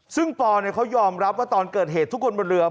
ซึ่งปอเขายอมรับว่าตอนเกิดเหตุทุกคนบนเรือ